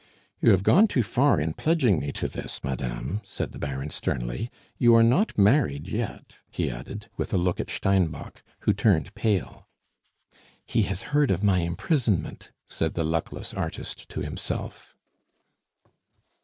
"You have gone too far in pledging me to this, madame," said the Baron sternly. "You are not married yet," he added with a look at Steinbock, who turned pale. "He has heard of my imprisonment," said the luckless artist to himself.